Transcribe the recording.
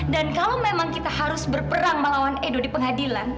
dan kalau memang kita harus berperang melawan edo di pengadilan